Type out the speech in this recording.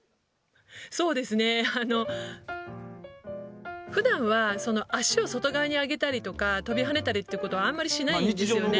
「そうですねあのふだんは足を外側に上げたりとか飛び跳ねたりってことあんまりしないんですよね。